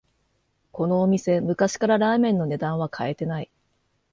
このお店、昔からラーメンの値段は変えてない